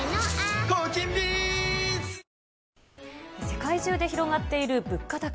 世界中で広がっている物価高。